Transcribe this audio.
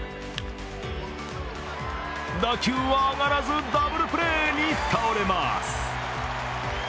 打球は上がらず、ダブルプレーに倒れます。